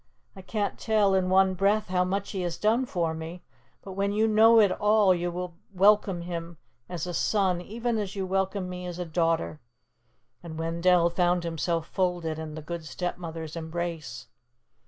I can't tell in one breath how much he has done for me, but when you know it all, you will welcome him as a son even as you welcome me as a daughter," and Wendell found himself folded in the Good Stepmother's embrace.